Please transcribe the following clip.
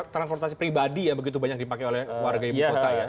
transportasi pribadi ya begitu banyak dipakai oleh warga ibu kota ya